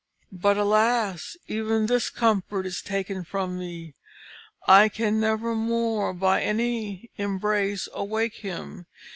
But, alas! even this comfort is taken from me; I can never more by any embrace awake him.